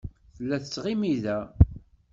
Tella tettɣimi da.